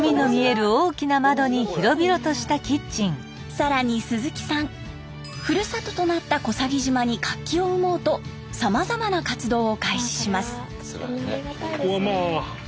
更に鈴木さんふるさととなった小佐木島に活気を生もうとさまざまな活動を開始します。